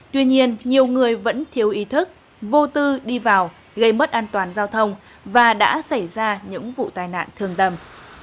tuy nhiên nhiều người vẫn thiếu ý thức vô tư đi vào gây mất an toàn giao thông và đã xảy ra những vụ tai nạn thường tầm